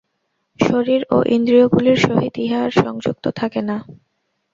শরীর ও ইন্দ্রিয়গুলির সহিত ইহা আর সংযুক্ত থাকে না।